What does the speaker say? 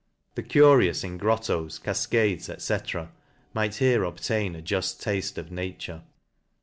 The curious in grottos, cafcades, &c. might here obtain a ju'ft tafte of Nature.